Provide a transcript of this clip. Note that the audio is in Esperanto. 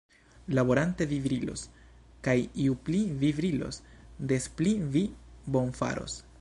Laborante vi brilos; kaj ju pli vi brilos, des pli vi bonfaros.